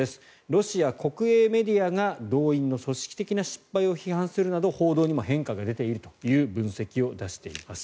ロシア国営メディアが動員の組織的な失敗を批判するなど報道にも変化が出ているという分析を出しています。